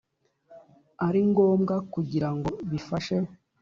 ari ngombwa kugira ngo bifashe